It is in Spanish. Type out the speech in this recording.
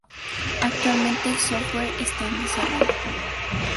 Actualmente el software está en desarrollo.